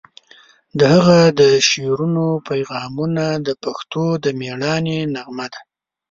د هغه د شعرونو پیغامونه د پښتنو د میړانې نغمه ده.